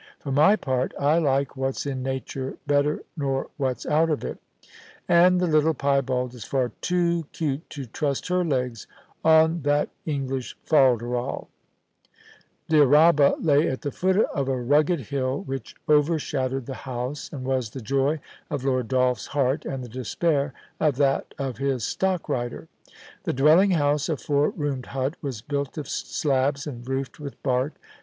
For my part, I like what's in natur' better nor what's out of it ; and the little piebald is far too 'cute to trust her legs on that English fal deral* Dyraaba lay at the foot of a rugged hill which over shadowed the house, and was the joy of Lord Dolph's heart, and the despair of that of his stockrider. The dwelling house, a four roomed hut, was built of slabs and roofed with bark.